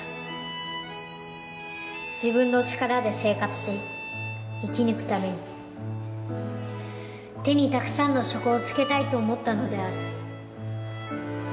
自分の力で生活し生き抜くために手にたくさんの職をつけたいと思ったのである。